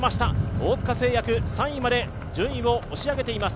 大塚製薬、３位まで順位を押し上げています。